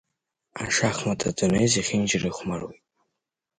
Ашахмат адунеи зехьынџьара ихәмаруеит.